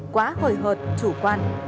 quá hời hợt chủ quan